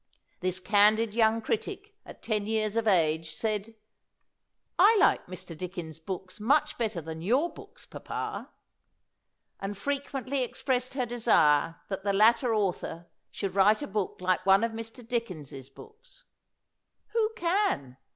This candid young critic, at ten years of age, said, "I like Mr. Dickens 's books much better than your books, papa"; and frequently expressed her desire that the latter author should write a book like one of Mr. Dickens's books. Who can?